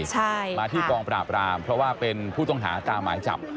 ใช่มาที่กองปราบรามเพราะว่าเป็นผู้ต้องหาตามหมายจับ